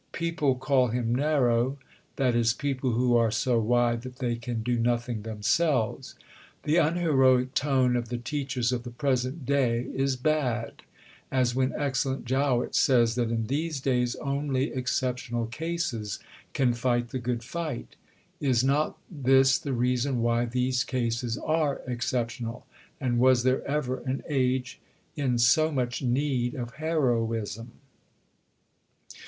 People call him narrow i.e. people who are so wide that they can do nothing themselves. The unheroic tone of the teachers of the present day is bad; as when excellent Jowett says that in these days, only "exceptional" cases can fight the good fight. Is not this the reason why these cases are exceptional? And was there ever an age in so much need of heroism?